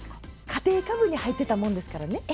家庭科部に入ってたもんですからね。